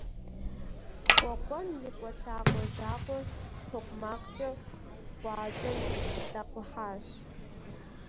Къуэкъуэн и къуэ лъакъуэ закъуэр токъумакъкӏэ къуакӏэм дакъухьащ.